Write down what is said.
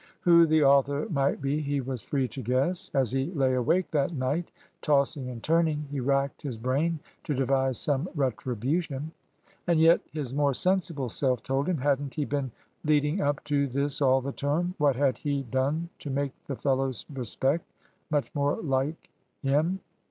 Who the author might be he was free to guess. As he lay awake that night, tossing and turning, he racked his brain to devise some retribution. And yet, his more sensible self told him, hadn't he been leading up to this all the term? What had he done to make the fellows respect, much more like, him?